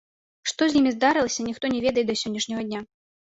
Што з імі здарылася, ніхто не ведае да сённяшняга дня.